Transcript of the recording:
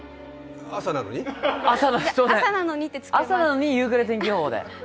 朝なのに夕暮れ天気予報で。